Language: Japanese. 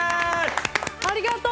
ありがとう！